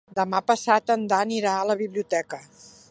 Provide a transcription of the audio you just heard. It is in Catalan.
Demà passat en Dan irà a la biblioteca.